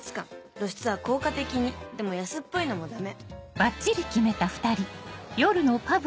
露出は効果的にでも安っぽいのもダメ。